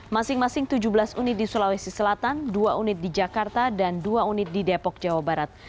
masing masing tujuh belas unit di sulawesi selatan dua unit di jakarta dan dua unit di depok jawa barat